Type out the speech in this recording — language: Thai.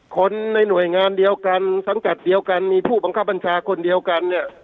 คนในหน่วยงานเดียวกันสังกัดเดียวกันมีผู้บังคับบัญชาคนเดียวกันเนี่ย